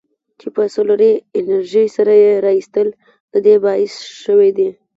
چې په سولري انرژۍ سره یې رایستل د دې باعث شویدي.